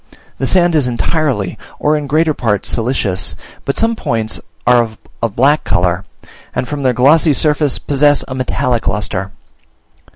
The sand is entirely, or in greater part, siliceous; but some points are of a black colour, and from their glossy surface possess a metallic lustre.